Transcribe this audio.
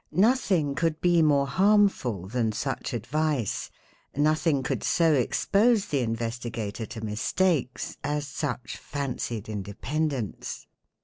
Nothing could be more harmful than such advice, nothing could so expose the investigator to mistakes as such fancied independence.